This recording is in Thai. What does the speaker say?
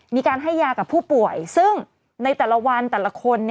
มีการให้ยากับผู้ป่วยซึ่งในแต่ละวันแต่ละคน